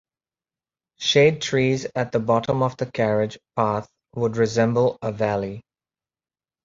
Shade trees at the bottom of the carriage path would resemble a valley.